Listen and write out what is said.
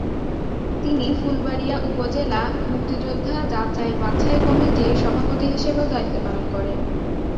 তিনি ফুলবাড়িয়া উপজেলা মুক্তিযোদ্ধা যাচাই-বাছাই কমিটির সভাপতি হিসেবেও দায়িত্ব পালন করেন।